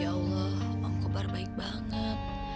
ya allah om kobar baik banget